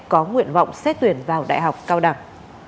có nguyện vọng xét tuyển vào đại học cao đẳng